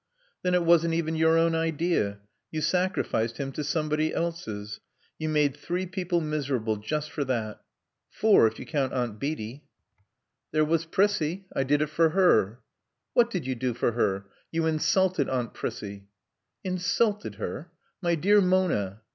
"Then it wasn't even your own idea. You sacrificed him to somebody else's. You made three people miserable just for that. Four, if you count Aunt Beatie." "There was Prissie. I did it for her." "What did you do for her? You insulted Aunt Prissie." "Insulted her? My dear Mona!"